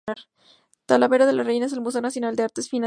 Talavera de la Reyna en el Museo Nacional de Artes Finas en Pekín.